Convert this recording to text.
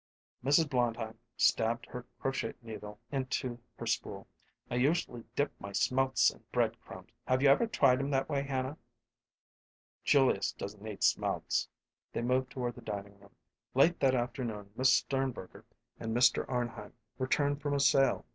Mrs. Blondheim stabbed her crochet needle into her spool. "I usually dip my smelts in bread crumbs. Have you ever tried them that way, Hanna?" "Julius don't eat smelts." They moved toward the dining room. Late that afternoon Miss Sternberger and Mr. Arnheim returned from a sail.